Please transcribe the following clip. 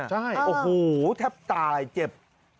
ใช่โอ้โหแทบตายเจ็บ